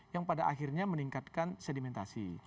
yang pada akhirnya meningkatkan sedimentasi